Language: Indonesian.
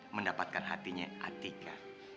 mendapatkan hatinya atika